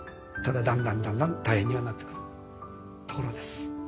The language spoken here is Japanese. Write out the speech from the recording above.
ただだんだんだんだん大変にはなってくるところです。